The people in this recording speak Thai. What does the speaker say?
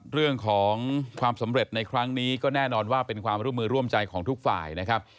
เรื่องของความสำเร็จในครั้งนี้ก็แน่นอนว่าเป็นความร่วมมือร่วมใจของทุกฝ่ายนะครับ